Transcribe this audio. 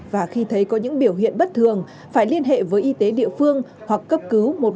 và khi thấy có những biểu hiện bất thường phải liên hệ với y tế địa phương hoặc cấp cứu một trăm một mươi năm để được hỗ trợ